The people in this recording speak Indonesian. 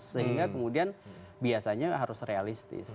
sehingga kemudian biasanya harus realistis